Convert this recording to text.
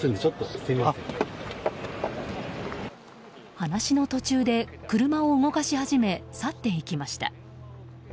話の途中で車を動かし始め去っていきました。